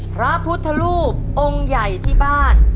พระพุทธรูปองค์ใหญ่ที่บ้าน